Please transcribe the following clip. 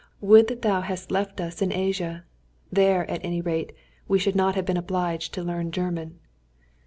Would that thou hadst left us in Asia! There, at any rate, we should not have been obliged to learn German!